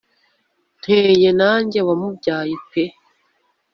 nteye nanjye wamubyaye pe